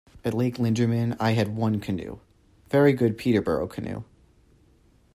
At Lake Linderman I had one canoe, very good Peterborough canoe.